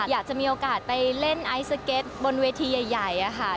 อยากจะมีโอกาสไปเล่นไอซ์สเก็ตบนเวทีใหญ่ค่ะ